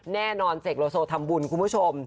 แน่นอนเสกโรโซทำบุญคุณผู้ชม